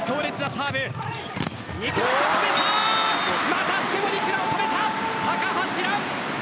またしてもニクラを止めた高橋藍。